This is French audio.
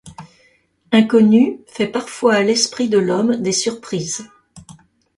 Inconnu fait parfois à l’esprit de l’homme des surprises.